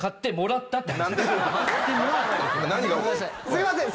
すいません。